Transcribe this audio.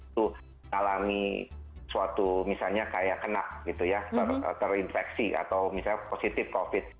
itu mengalami suatu misalnya kayak kena gitu ya terinfeksi atau misalnya positif covid